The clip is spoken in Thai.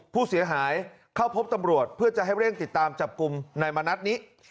ผู้เสียหายเข้าพบตำรวจเพื่อจะให้เร่งติดตามจับกลุ่มนายมณัฐนี้